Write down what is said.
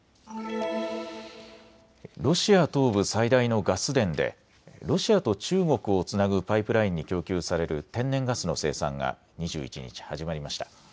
ロシア東部最大のガス田でロシアと中国をつなぐパイプラインに供給される天然ガスの生産が２１日始まりました。